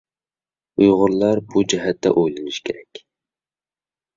ئۇيغۇرلار بۇ جەھەتتە ئويلىنىشى كېرەك.